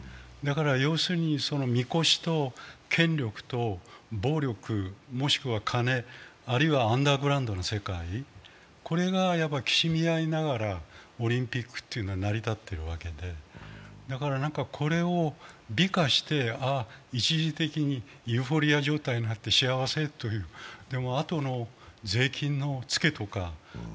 要するに神輿と権力と暴力、もしくは金、あるいはアンダーグラウンドの世界、これがきしみ合いながらオリンピックというのは成り立っているわけで、これを美化して、一義的にユーフォリア状態になって幸せという、でもあとの税金のツケとか。